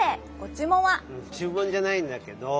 ちゅう文じゃないんだけど。